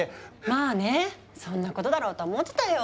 まあねそんなことだろうとは思ってたよ。